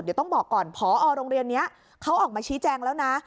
เดี๋ยวต้องบอกก่อนพอโรงเรียนนี้เขาออกมาชี้แจงแล้วนะ